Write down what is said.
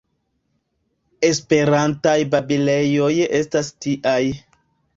Esperantaj babilejoj estas tiaj.